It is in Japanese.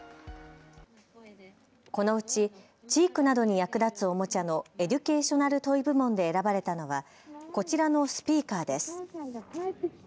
このうち知育などに役立つおもちゃのエデュケーショナル・トイ部門で選ばれたのはこちらのスピーカーです。